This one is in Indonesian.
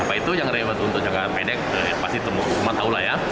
apa itu yang rewet untuk jangka pendek pasti cuma tahu lah ya